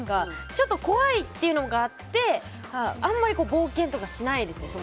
ちょっと怖いというのがあってあんまり冒険とかしないです。